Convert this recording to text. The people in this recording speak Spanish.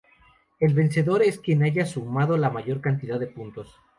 El vencedor es quien haya sumado la mayor cantidad de puntos.